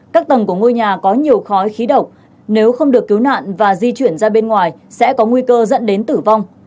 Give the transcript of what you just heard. các tầng của ngôi nhà có nhiều khói khí độc nếu không được cứu nạn và di chuyển ra bên ngoài sẽ có nguy cơ dẫn đến tử vong